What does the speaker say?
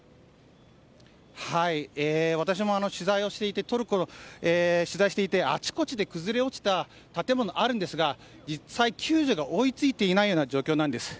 私もトルコを取材をしていてあちこちで崩れ落ちた建物があるんですが実際に救助が追い付いていないような状況なんです。